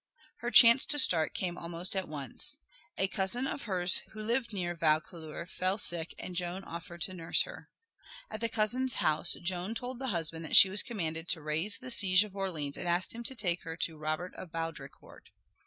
Her chance to start came almost at once. A cousin of hers who lived near Vaucouleurs fell sick, and Joan offered to nurse her. At the cousin's house Joan told the husband that she was commanded to raise the siege of Orleans and asked him to take her to Robert of Baudricourt.